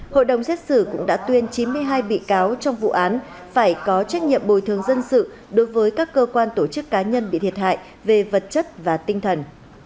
hội đồng xét xử cũng đã tuyên chín mươi hai bị cáo trong vụ án phải có trách nhiệm bồi thường dân sự đối với các cơ quan tổ chức cá nhân bị thiệt hại về vật chất và tinh thần